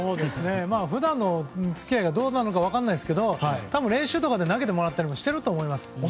普段の付き合いがどうなのか分からないですけど多分練習とかで投げてもらったりもしていると思います。